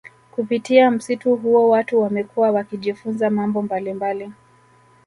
Kupitia msitu huo watu wamekuwa wakijifunza mambo mbalimbali